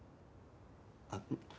あっ！